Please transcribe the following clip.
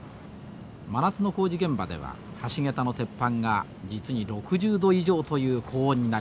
真夏の工事現場では橋桁の鉄板が実に６０度以上という高温になります。